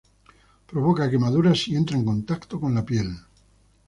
Provoca quemaduras si entra en contacto con la piel.